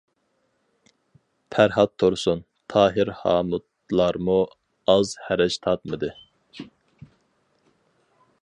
پەرھات تۇرسۇن، تاھىر ھامۇتلارمۇ ئاز ھەرەج تارتمىدى.